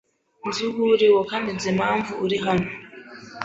Nzi uwo uriwe, kandi nzi impamvu uri hano.